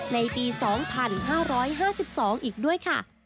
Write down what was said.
ในปี๒๕๕๒อีกด้วยค่ะ